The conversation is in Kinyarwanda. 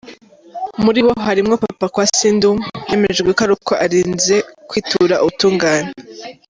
Muri bo harimwo Papa Kwasi Ndoum, yemejwe ari uko arinze kwitura ubutungane.